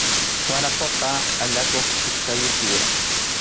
Waraquqa allakuq kichkayuq yuram.